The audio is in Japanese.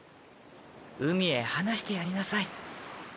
海へ放してやりなさい。